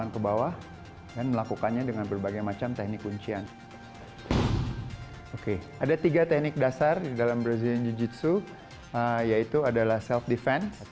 kondisi dasar di dalam brazilian jiu jitsu yaitu adalah self defense